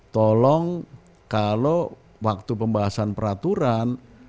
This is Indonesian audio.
tolong kalau waktu pembahasan peraturan